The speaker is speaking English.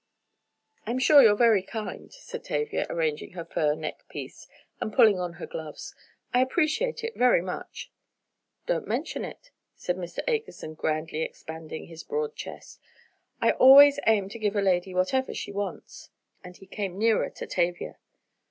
"I'm sure you're very kind," said Tavia, arranging her fur neck piece, and pulling on her gloves, "I appreciate it very much." "Don't mention it," said Mr. Akerson, grandly expanding his broad chest, "I always aim to give a lady whatever she wants," and he came nearer to Tavia.